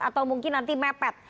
atau mungkin nanti mepet